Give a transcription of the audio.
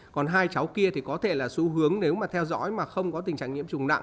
còn hai cháu kia thì có thể là xu hướng nếu mà theo dõi mà không có tình trạng nhiễm trùng nặng